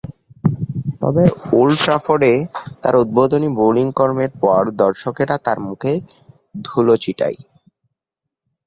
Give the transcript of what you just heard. তবে, ওল্ড ট্রাফোর্ডে তার উদ্বোধনী বোলিং কর্মের পর দর্শকেরা তার মুখে ধুলো ছিটায়।